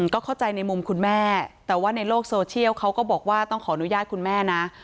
ก็เข้าใจในมุมคุณแม่แต่ว่าในโลกโซเชียลเขาก็บอกว่าต้องขออนุญาตคุณแม่นะ